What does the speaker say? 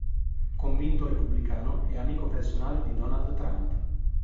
Convinto repubblicano, è amico personale di Donald Trump.